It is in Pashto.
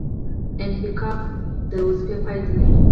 انفکاک د دندې پای دی